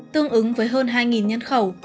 tương ứng với hơn hai nhân khẩu